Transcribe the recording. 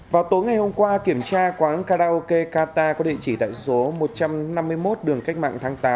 vào tối ngày hôm qua kiểm tra quán karaoke qatar có địa chỉ tại số một trăm năm mươi một đường cách mạng tháng tám